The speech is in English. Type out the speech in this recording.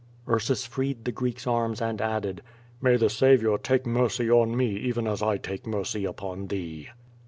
Ursus freed the Greek's arms and added: "May the Saviour take mercy on me even as I take mercy upon thee."